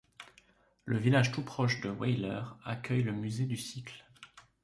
Le village tout proche de Weyler accueille le musée du cycle.